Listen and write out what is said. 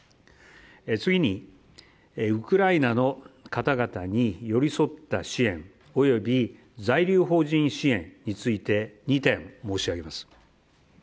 次に、ウクライナの方々に寄り添った支援、及び在留邦人支援について２点、申し上げます。